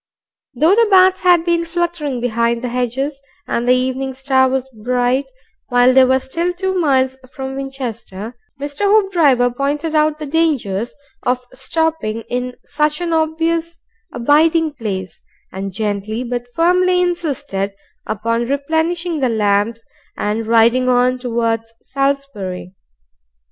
Though the bats had been fluttering behind thehedges and the evening star was bright while they were still two miles from Winchester, Mr. Hoopdriver pointed out the dangers of stopping in such an obvious abiding place, and gently but firmly insisted upon replenishing the lamps and riding on towards Salisbury.